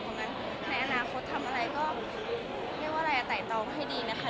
เพราะฉะนั้นในอนาคตทำอะไรก็เรียกว่าอะไรไต่ตองให้ดีนะคะ